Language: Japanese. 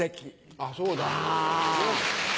あそうだ。